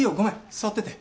座ってて。